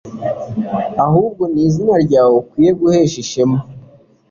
ahubwo ni izina ryawe ukwiye guhesha ishema